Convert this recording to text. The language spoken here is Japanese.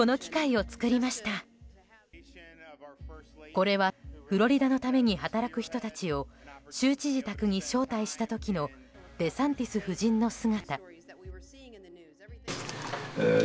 これはフロリダのために働く人たちを州知事宅に招待した時のデサンティス夫人の姿。